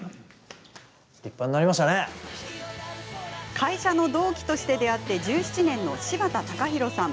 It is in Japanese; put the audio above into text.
会社の同期として出会って１７年の柴田隆浩さん。